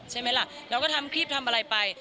ใช่ไหมล่ะเราก็ทำคลิปทำอะไรไป